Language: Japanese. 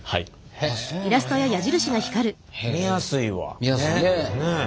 へえ見やすいわ。